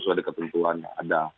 sudah ada ketentuan yang ada